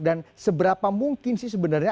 dan seberapa mungkin sih sebenarnya